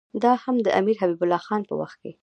دا هم د امیر حبیب الله خان په وخت کې.